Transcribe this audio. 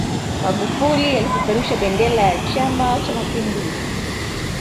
magufuli alipeperusha bendera ya chama cha mapinduzi